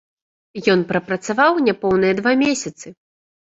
Ён прапрацаваў няпоўныя два месяцы.